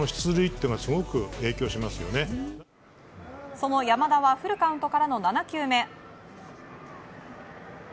その山田はフルカウントからの７球目。